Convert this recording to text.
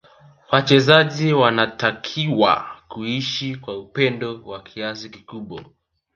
Wachezaji wanatakiwa kuishi kwa upendo wa kiasi kikubwa